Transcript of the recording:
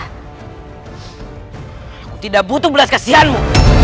tidak butuh belas kasihanmu